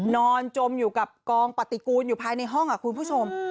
จมอยู่กับกองปฏิกูลอยู่ภายในห้องคุณผู้ชม